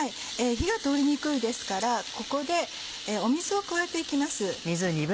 火が通りにくいですからここで水を加えて行きます。